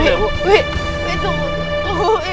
dwi tunggu ibu